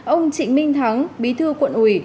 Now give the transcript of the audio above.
ông trịnh minh thắng bí thư quận uỷ